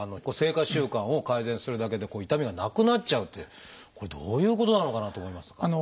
生活習慣を改善するだけで痛みがなくなっちゃうってこれどういうことなのかなと思いますが。